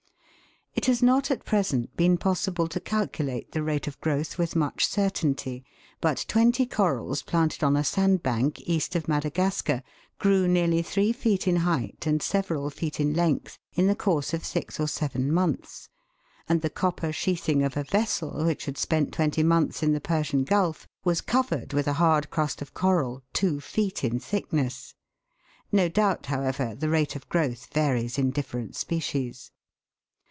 It has not at present been possible to calculate the rate of growth with much certainty, but twenty corals planted on a sand bank east of Madagascar, grew nearly three feet in height and several feet in length in the course of six or seven months ; and the copper sheathing of a vessel which had spent twenty months in the Persian Gulf, was covered with a hard crust of coral two feet in thickness. No doubt, how ever, the rate of growth varies in different species.